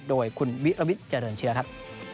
โดยคุณวิรวิทย์เจริญเชื้อครับ